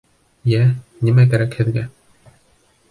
— Йә, нимә кәрәк һеҙгә?